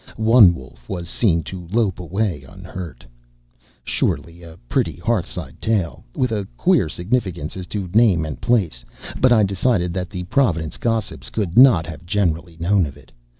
One wolf was seen to lope away unhurt. Surely a pretty hearthside tale, with a queer significance as to name and place; but I decided that the Providence gossips could not have generally known of it.